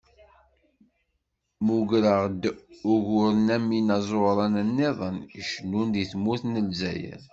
Mmugreɣ-d uguren am yinaẓuren-nniḍen, icennun deg tmurt n Lezzayer.